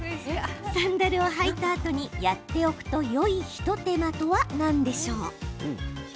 サンダルを履いたあとにやっておくとよい一手間とは何でしょう？